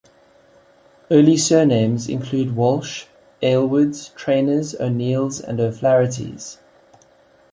Early Surnames include Walsh, Aylwards, Trainors, O'Neills and O'Flahertys.